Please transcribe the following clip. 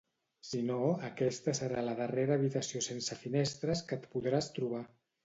Si no, aquesta serà la darrera habitació sense finestres que et podràs trobar.